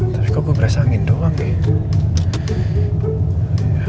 tapi kok gue berasa angin doang ya